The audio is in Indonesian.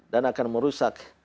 dan akan merusak